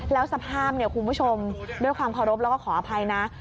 แล้วสภาพคุณผู้ชมด้วยความขอบรบแล้วก็ขออภัยนะ